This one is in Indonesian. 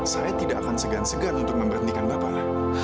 saya tidak akan segan segan untuk memberhentikan bapaknya